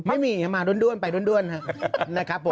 ไม่มีมาด้วนไปด้วนนะครับผม